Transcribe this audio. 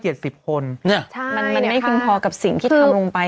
ใช่มันไม่คิดพอกับสิ่งที่ทำลงไป